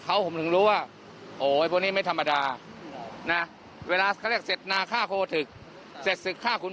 เราก็รู้ว่าวันนึงวันนึงเราก็ต้องโดน